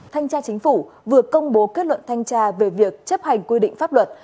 thanh tra chính phủ vừa công bố kết luận thanh tra về việc chấp hành quy định pháp luật